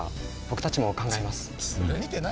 僕たちも考えます。